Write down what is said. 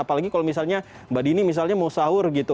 apalagi kalau misalnya mbak dini misalnya mau sahur gitu